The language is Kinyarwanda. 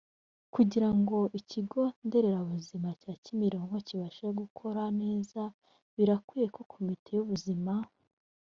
kugira ngo ikigo nderabuzima cya kimironko kibashe gukora neza birakwiye ko komite y ubuzima